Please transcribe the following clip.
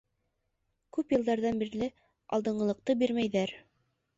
Күп йылдарҙан бирле алдынғылыҡты бирмәйҙәр.